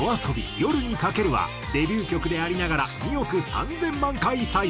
『夜に駆ける』はデビュー曲でありながら２億３０００万回再生。